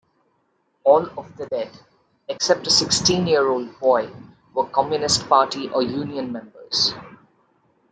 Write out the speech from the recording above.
All of the dead, except a sixteen-year-old boy, were Communist Party or union members.